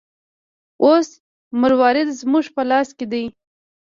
اوس مروارید زموږ په لاس کې دی.